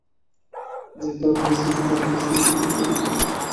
তিনি তার অভিনয়শিল্পী ও কলাকুশলীদের বিদ্রুপ করতেন।